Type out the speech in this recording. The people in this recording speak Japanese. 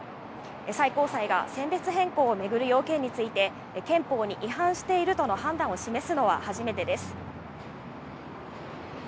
最高裁が、性別変更を巡る要件について、憲法に違反しているとの判断を示すのは初めてです。